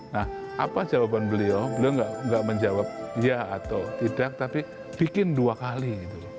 nah apa jawaban beliau beliau tidak menjawab ya atau tidak tapi bikin dua kali